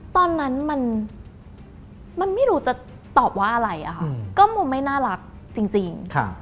ตอนนั้นมันไม่รู้จะตอบว่าอะไรอะค่ะก็มุมไม่น่ารักจริง